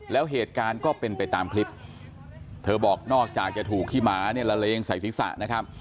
แล้วเหตุการณ์ก็เป็นไปตามคลิปเธอบอกนอกจากจะถูกขี้หมาเนี่ยละเลงใส่ศีรษะนะครับ